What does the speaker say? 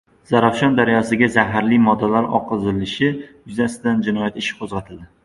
Zarafshon daryosiga zaxarli moddalar oqizilishi yuzasidan jinoyat ishi qo‘zg‘atildi